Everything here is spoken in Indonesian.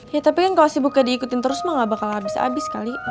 ya tapi kan kalau sibuknya diikutin terus mah gak bakal habis habis kali